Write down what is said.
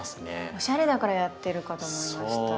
おしゃれだからやってるかと思いました。